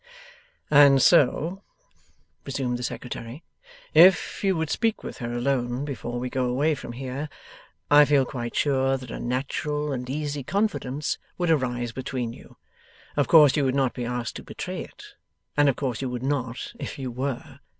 'And so,' resumed the Secretary, 'if you would speak with her alone before we go away from here, I feel quite sure that a natural and easy confidence would arise between you. Of course you would not be asked to betray it; and of course you would not, if you were.